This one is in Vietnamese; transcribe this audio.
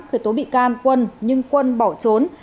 khởi tố bị can quân nhưng quân bỏ trốn